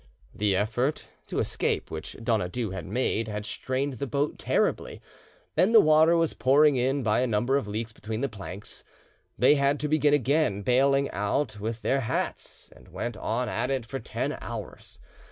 The effort—to escape which Donadieu had made had strained the boat terribly, and the water was pouring in by a number of leaks between the planks; they had to begin again bailing out with their hats, and went on at it for ten hours.